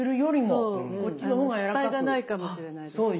失敗がないかもしれないですね。